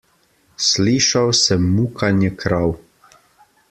Slišal sem mukanje krav.